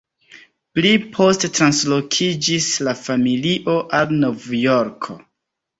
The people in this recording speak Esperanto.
Pli poste translokiĝis la familio al Novjorko.